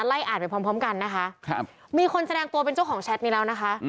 หลายอ่านไปพร้อมกันนะคะมีคนแสดงตัวเป็นเจ้าของแชทนี้แล้วนะคะ